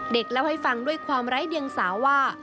เล่าให้ฟังด้วยความไร้เดียงสาวว่า